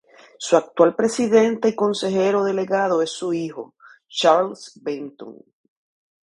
Su actual presidente y consejero delegado es su hijo, Charles Benton.